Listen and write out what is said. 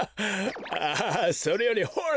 ああそれよりほら！